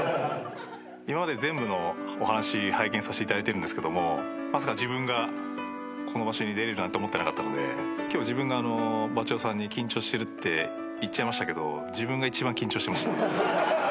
今まで全部のお話拝見させていただいてるんですけどもまさか自分がこの場所に出れるなんて思ってなかったので今日自分がバチェ男さんに「緊張してる？」って言っちゃいましたけど自分が一番緊張してました。